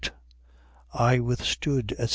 I withstood, etc.